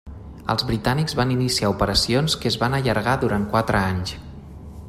Els britànics van iniciar operacions que es van allargar durant quatre anys.